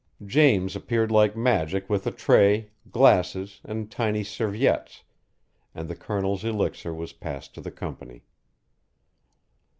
James appeared like magic with a tray, glasses, and tiny serviettes, and the Colonel's elixir was passed to the company.